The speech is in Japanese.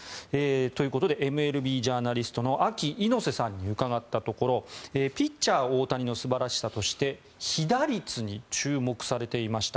ということでＭＬＢジャーナリストのＡＫＩ猪瀬さんに伺ったところピッチャー・大谷の素晴らしさとして被打率に注目されていました。